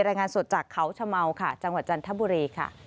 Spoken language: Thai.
รายงานสดจากเขาชะเมาค่ะจังหวัดจันทบุรีค่ะ